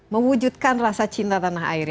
mewujudkan rasa cinta tanah air